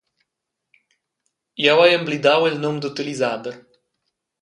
Jeu hai emblidau il num d'utilisader.